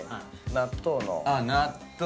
納豆のね。